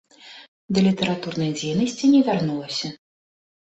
Да літаратурнай дзейнасці не вярнулася.